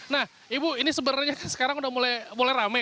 nah ibu ini sebenarnya sekarang udah mulai rame